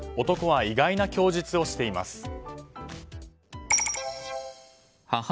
男は意外な供述をしています。